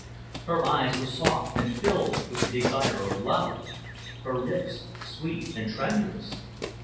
Her eyes were soft and filled with the desire of love, her lips sweet and tremulous.